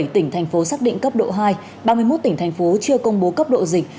bảy tỉnh thành phố xác định cấp độ hai ba mươi một tỉnh thành phố chưa công bố cấp độ dịch